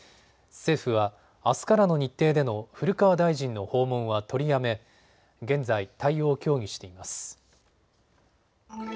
政府はあすからの日程での古川大臣の訪問は取りやめ現在、対応を協議しています。